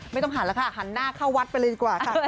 ไม่ต้องหันแล้วค่ะหันหน้าเข้าวัดไปเลยดีกว่าค่ะ